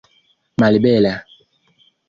malbela